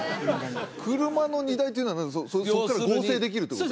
車の荷台っていうのはそっから合成できるってこと？